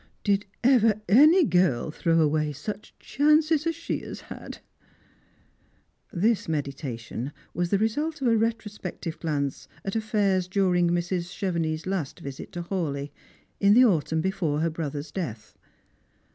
Did ever any girl throw away such chances as she has had P " This meditation was the result of a retrospective glance at affairs during ]\Irs. Chevenix's last visit to Hawleigh, in the autumn before her brother's death.